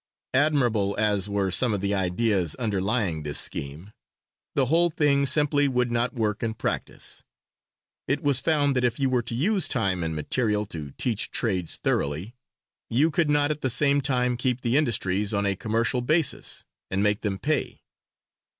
Admirable as were some of the ideas underlying this scheme, the whole thing simply would not work in practice; it was found that if you were to use time and material to teach trades thoroughly, you could not at the same time keep the industries on a commercial basis and make them pay.